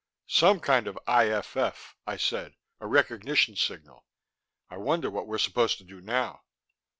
"Some kind of IFF," I said. "A recognition signal. I wonder what we're supposed to do now."